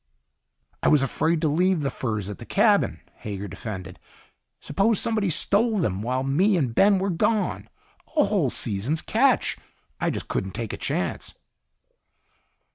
"I was afraid to leave the furs at the cabin," Hager defended. "Suppose somebody stole them while me and Ben were gone? A whole season's catch. I just couldn't take a chance."